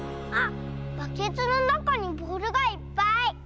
あっバケツのなかにボールがいっぱい。